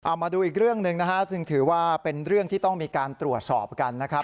เอามาดูอีกเรื่องหนึ่งนะฮะซึ่งถือว่าเป็นเรื่องที่ต้องมีการตรวจสอบกันนะครับ